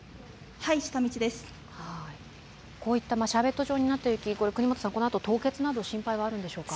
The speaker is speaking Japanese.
こういったシャーベット状になった道、このあと凍結などの危険はあるのでしょうか？